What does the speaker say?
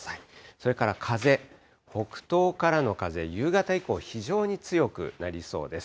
それから風、北東からの風、夕方以降、非常に強くなりそうです。